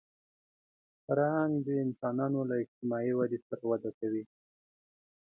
فرهنګ د انسانانو له اجتماعي ودې سره وده کوي